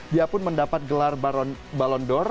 dia pun mendapat gelar ballon d'or